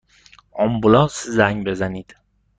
آمبولانس زنگ بزنید!